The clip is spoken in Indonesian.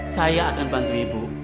saya akan bantu ibu